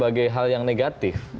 hal hal yang negatif